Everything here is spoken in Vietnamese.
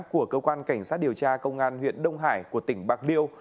của cơ quan cảnh sát điều tra công an huyện đông hải của tỉnh bạc liêu